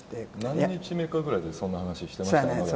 何日目かぐらいでそんな話してましたよね。